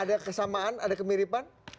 ada kesamaan ada kemiripan